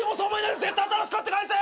でも新しく買って返せ！